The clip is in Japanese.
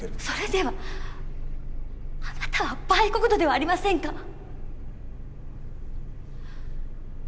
それではあなたは売国奴ではありませんか。